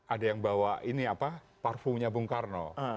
ada yang bawa parfumnya bung karno